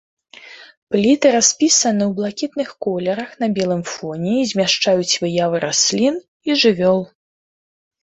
Пліты распісаны ў блакітных колерах на белым фоне і змяшчаюць выявы раслін і жывёл.